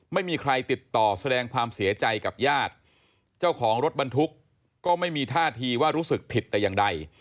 ไม่มีใครติดต่อแสดงความเสียใจกับญาติเจ้าของรถบรรทุกก็ไม่มีท่าทีว่ารู้สึกผิดแต่อย่างใด